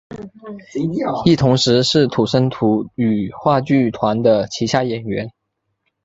亦同时是土生土语话剧团的旗下演员。